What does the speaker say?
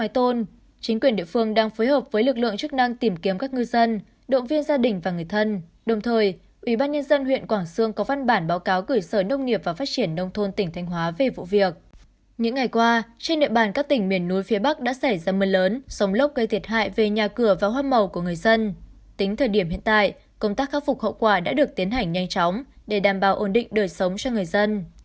tính thời điểm hiện tại công tác khắc phục hậu quả đã được tiến hành nhanh chóng để đảm bảo ổn định đời sống cho người dân